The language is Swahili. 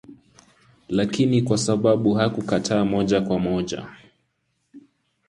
Lakini kwa sababu hakukataa moja kwa moja